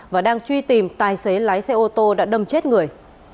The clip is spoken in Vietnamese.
và đang truy tìm tài xế lái xe ô tô đã đâm chết người